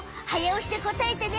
おしでこたえてね。